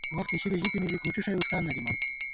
وخت اشِلی ژِتِنی زی کھُٹی ݭَئی وݭٹان نہ دِمان